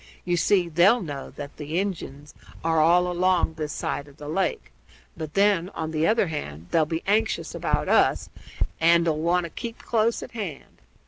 You see, they'll know that the Injuns are all along this side of the lake; but then, on the other hand, they'll be anxious about us and 'll want to keep close at hand.